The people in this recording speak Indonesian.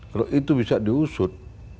kalau itu bisa diusut